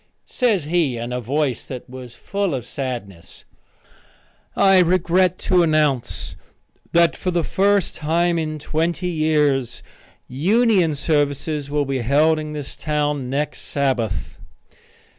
Says he in a voice that was full of sadness: "I regret to announce that for the first time in twenty years union services will be held in this town next Sabbath."